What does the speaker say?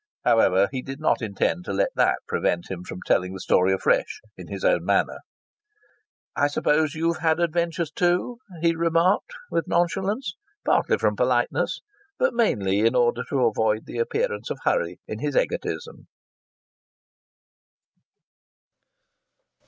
However, he did not intend to let that prevent him from telling the story afresh, in his own manner. "I suppose you've had your adventures, too," he remarked with nonchalance, partly from politeness but mainly in order to avoid the appearance of hurry in his egotism.